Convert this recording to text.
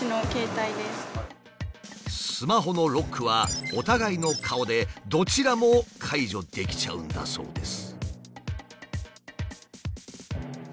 スマホのロックはお互いの顔でどちらも解除できちゃうんだそうです。